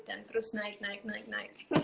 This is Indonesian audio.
dan terus naik naik naik naik